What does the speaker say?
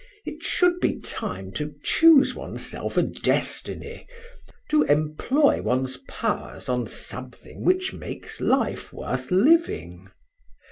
It should be time to choose oneself a destiny, to employ one's powers on something which makes life worth living.